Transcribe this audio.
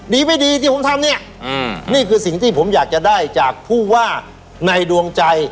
ดีไม่ดีที่ผมทำเนี่ยนี่คือสิ่งที่ผมอยากจะได้จากผู้ว่าในดวงใจ